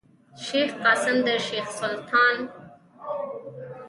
شېخ قاسم د شېخ سلطان کوسی دﺉ.